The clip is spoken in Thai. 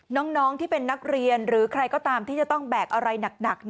น้องที่เป็นนักเรียนหรือใครก็ตามที่จะต้องแบกอะไรหนัก